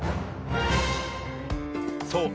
そう。